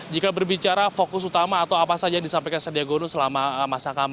jika berbicara fokus utama atau apa saja yang disampaikan sandiaga uno selama masa kampanye memang tidak jauh berbeda